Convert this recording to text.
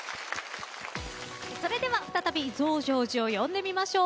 それでは再び増上寺を呼んでみましょう。